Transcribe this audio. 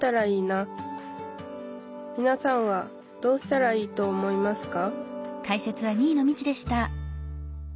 みなさんはどうしたらいいと思いますか？